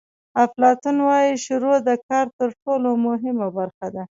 افلاطون وایي شروع د کار تر ټولو مهمه برخه ده.